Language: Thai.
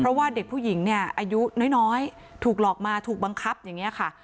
เพราะว่าเด็กผู้หญิงเนี่ยอายุน้อยถูกหลอกมาถูกบังคับอย่างนี้ค่ะ